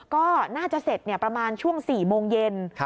ก็น่าจะเสร็จประมาณช่วง๔โมงเย็น